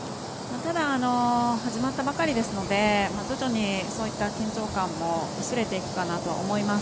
ただ、始まったばかりですので徐々にそういった緊張感も薄れていくかなと思います。